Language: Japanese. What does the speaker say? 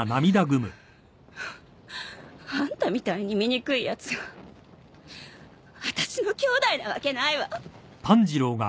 あんたみたいに醜いやつがあたしのきょうだいなわけないわ。